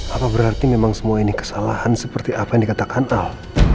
apa berarti memang semua ini kesalahan seperti apa yang dikatakan al